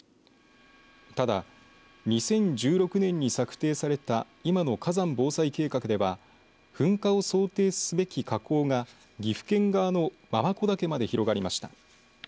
ただ、２０１６年に策定された今の火山防災計画では噴火を想定すべき火口が岐阜県側の継子岳まで広がりました。